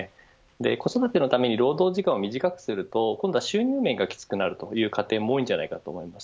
子育てのために労働時間を短くすると今度は収入面がきつくなるという家庭も多いんじゃないかと思います。